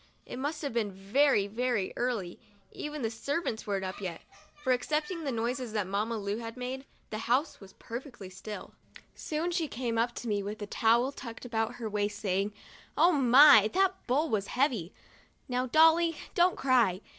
It must have been very, very early — even the servants weren't up yet, for, excepting the noises that Mamma Lu made, the house was perfectly still. 16 MONDAY— MY FIRST BATH Soon she came up to me with a towel tucked about her waist, saying, "Oh, my! that bowl was heavy. Now, Dolly, don't cry!